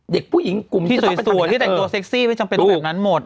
เด็กผู้หญิงกลุ่มที่ต้องไปทำอย่างนั้นที่สวยสวยที่แต่โดยเซ็กซี่ไม่จำเป็นต้องไปทำอย่างนั้นหมด